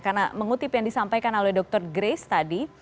karena mengutip yang disampaikan oleh dr grace tadi